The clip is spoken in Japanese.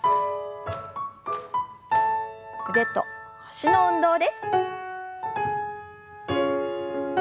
腕と脚の運動です。